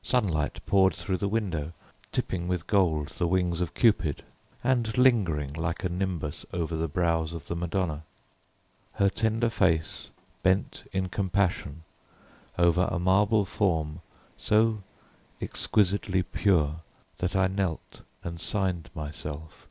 Sunlight poured through the window, tipping with gold the wings of Cupid, and lingered like a nimbus over the brows of the Madonna. Her tender face bent in compassion over a marble form so exquisitely pure that I knelt and signed myself.